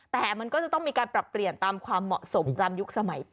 แต่มันก็จะต้องมีการปรับเปลี่ยนตามความเหมาะสมตามยุคสมัย๘